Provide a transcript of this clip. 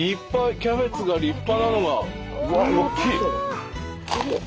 キャベツが立派なのが。